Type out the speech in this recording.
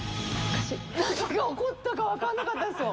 何が起こったか分かんなかったですよ。